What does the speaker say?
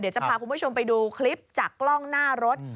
จะพาคุณผู้ชมไปดูคลิปจากกล้องหน้ารถ